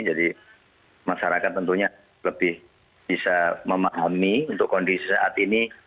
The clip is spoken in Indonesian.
jadi masyarakat tentunya lebih bisa memahami untuk kondisi saat ini